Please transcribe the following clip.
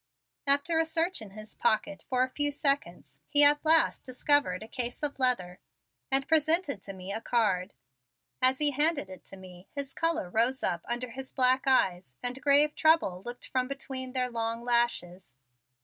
After a search in his pocket for a few seconds he at last discovered a case of leather and presented to me a card. As he handed it to me his color rose up under his black eyes and grave trouble looked from between their long black lashes.